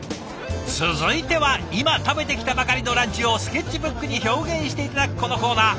続いては今食べてきたばかりのランチをスケッチブックに表現して頂くこのコーナー。